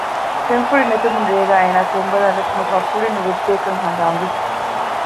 ފެންފުޅި ނެތުމުން ރޭގައި އޭނާ ފެން ބަލައި ނުކުމެފައި ފުޅި ނުވެއްދޭކަން ހަނދާންވި